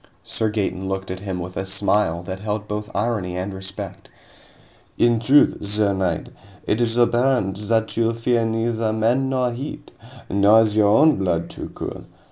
Sir Gaeton looked at him with a smile that held both irony and respect. "In truth, sir knight, it is apparent that you fear neither men nor heat. Nor is your own blood too cool.